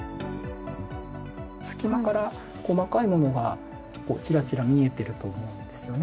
隙間から細かいものがちらちら見えてると思うんですよね。